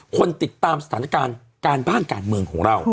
คนติดตามสถานการณ์การบ้านการเมืองของเรา